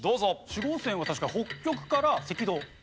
子午線は確か北極から赤道。